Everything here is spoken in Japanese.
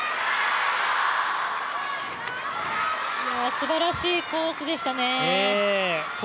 すばらしいコースでしたね。